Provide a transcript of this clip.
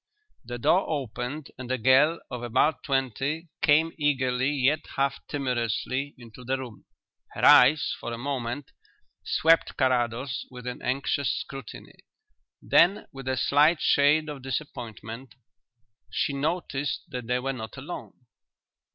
The door opened and a girl of about twenty came eagerly yet half timorously into the room. Her eyes for a moment swept Carrados with an anxious scrutiny. Then, with a slight shade of disappointment, she noticed that they were not alone.